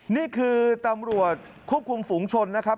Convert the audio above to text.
นี่คือตำรวจควบคุมฝูงชนนะครับ